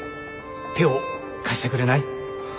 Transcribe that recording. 手を貸してくれない？